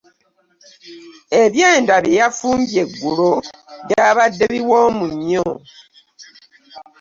Ebyenda bye yafumbye eggulo byabadde biwoomu nnyo.